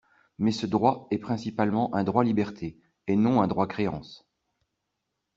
Mais ce droit est principalement un droit-liberté, et non un droit-créance.